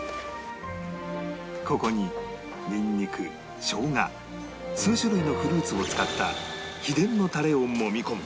ここににんにく生姜数種類のフルーツを使った秘伝のタレをもみ込む